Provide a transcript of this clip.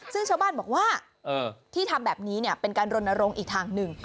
ซึ่งชาวบ้านบอกว่าที่ทำแบบนี้เป็นการรณรงค์อีกทางหนึ่ง